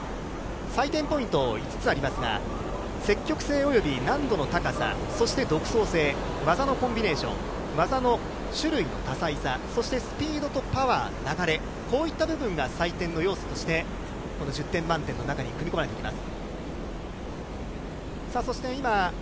採点ポイントは５つありますが、積極性および難度の高さ、そして独創性、技のコンビネーション、技の種類の多彩さ、そしてスピードとパワー流れ、こういった流れが採点の要素として１００点満点の中に組み込まれています。